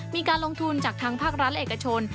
มีการลงทุนจากทางภาครัฐและเอกชน